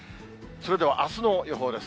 それでは、あすの予報です。